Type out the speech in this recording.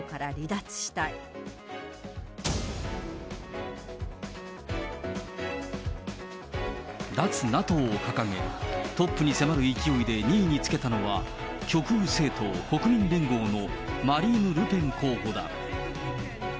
脱ＮＡＴＯを掲げ、トップに迫る勢いで２位につけたのは、極右政党・国民連合のマリーヌ・ルペン候補だ。